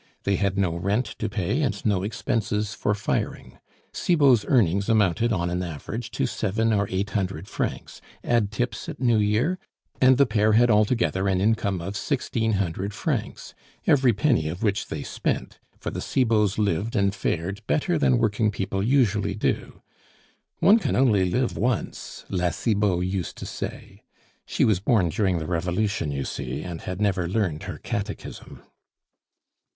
They had no rent to pay and no expenses for firing; Cibot's earnings amounted on an average to seven or eight hundred francs, add tips at New Year, and the pair had altogether in income of sixteen hundred francs, every penny of which they spent, for the Cibots lived and fared better than working people usually do. "One can only live once," La Cibot used to say. She was born during the Revolution, you see, and had never learned her Catechism.